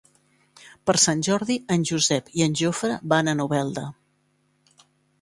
Per Sant Jordi en Josep i en Jofre van a Novelda.